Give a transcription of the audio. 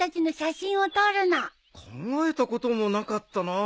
考えたこともなかったな。